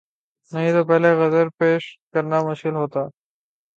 نہیں تو پہلے عذر پیش کرنا مشکل ہوتا۔